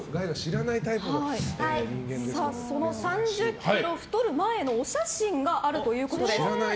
その３０ｋｇ太る前のお写真があるということです。